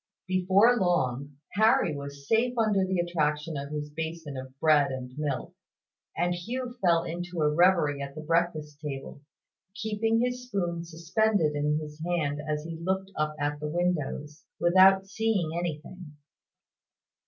Before long, Harry was safe under the attraction of his basin of bread and milk; and Hugh fell into a reverie at the breakfast table, keeping his spoon suspended in his hand as he looked up at the windows, without seeing anything.